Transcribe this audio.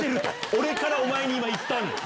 俺からお前に今行ったんだよ！